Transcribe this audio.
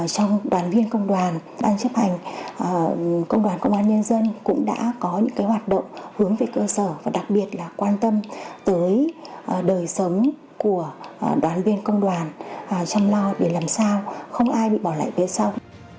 trong đoàn viên công đoàn ban chấp hành công đoàn công an nhân dân cũng đã có những hoạt động hướng về cơ sở và đặc biệt là quan tâm tới đời sống của đoàn viên công đoàn chăm lo để làm sao không ai bị bỏ lại phía sau